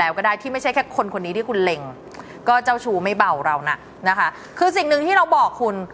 แล้วก็ได้ที่ไม่ใช่แค่คนคนนี้ที่คุณเล็งก็เจ้าชู้ไม่เบาเราน่ะนะคะคือสิ่งหนึ่งที่เราบอกคุณ